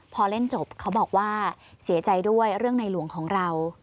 พอเล่นจบเขาบอกว่าเสียใจด้วยเรื่องในหลวงของเรา